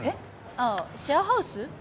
ああシェアハウス？